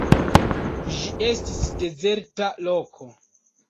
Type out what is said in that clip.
Ĝi estis dezerta loko.